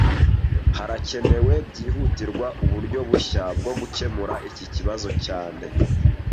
Harakenewe byihutirwa uburyo bushya bwo gukemura iki kibazo cyane